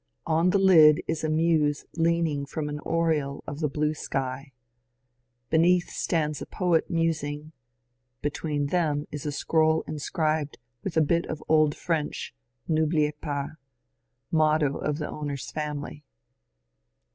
On the lid is a Muse leaning from an oriel of the blue sky ; beneath stands a poet musing ; between them is a scroll inscribed with a bit of old French, " N'oubli^ pas "— motto of the owner's family.